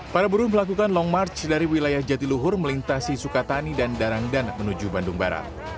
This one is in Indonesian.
para buruh melakukan long march dari wilayah jatiluhur melintasi sukatani dan darangdan menuju bandung barat